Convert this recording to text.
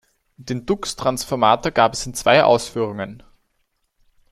Den Dux Transformator gab es in zwei Ausführungen.